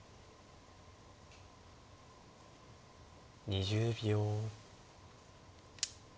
２０秒。